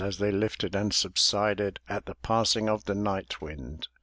As they lifted and subsided At the passing of the night wind.